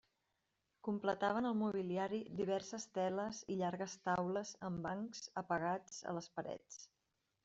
Completaven el mobiliari diverses teles i llargues taules amb bancs apegats a les parets.